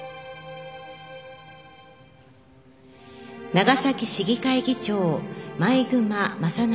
長崎市議会議長、毎熊政直。